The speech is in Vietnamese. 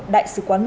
đại sứ quán mỹ